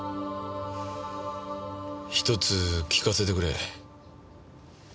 一つ聞かせてくれ。